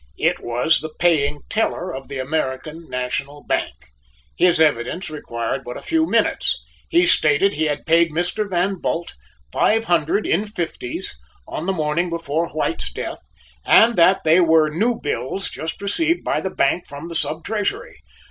It was the paying teller of the American National Bank. His evidence required but a few minutes. He stated he had paid Mr. Van Bult five hundred in "fifties" on the morning before White's death, and that they were new bills just received by the Bank from the Sub Treasury.